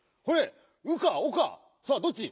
「う」か「お」かさあどっち？